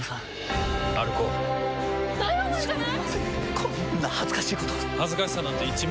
こんな恥ずかしいこと恥ずかしさなんて１ミリもない。